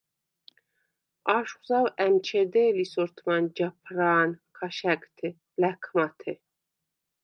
აშხუ̂ ზაუ̂ ა̈მჩედე̄ლი სორთმან ჯაფრა̄ნ ქაშა̈გთე ლა̈ქმათე.